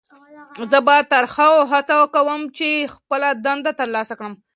زه به تر هغو هڅه کوم چې خپله دنده ترلاسه کړم.